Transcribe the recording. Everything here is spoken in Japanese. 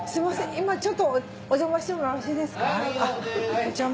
今ちょっとおじゃましてもよろしいですか？